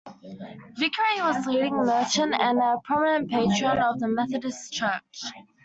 Vickery was a leading merchant and a prominent patron of the Methodist Church.